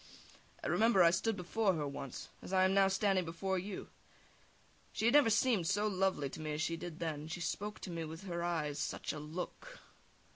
I remember, I stood before her once, as I am now standing before you. She had never seemed so lovely to me as she did then, and she spoke to me so with her eyes such a look!